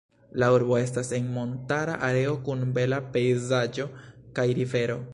La urbo estas en montara areo kun bela pejzaĝo kaj rivero.